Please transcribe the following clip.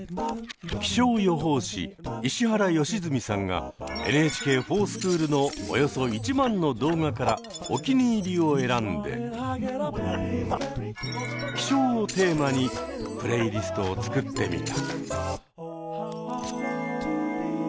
気象予報士石原良純さんが「ＮＨＫｆｏｒＳｃｈｏｏｌ」のおよそ１万の動画からおきにいりを選んで「気象」をテーマにプレイリストを作ってみた。